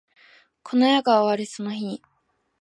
この世が終わるその日に